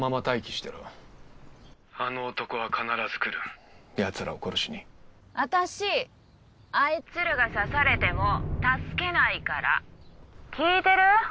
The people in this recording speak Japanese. てろあの男は必ず来るヤツらを殺しに私あいつらが刺されても助けないから聞いてる？